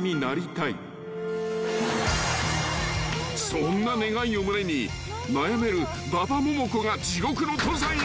［そんな願いを胸に悩める馬場ももこが地獄の登山へ］